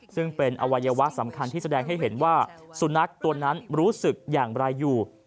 ซึ่งเป็นอวัยวะสำคัญที่แสดงให้เห็นว่าสุนัขตัวนั้นรู้สึกอย่างไรอยู่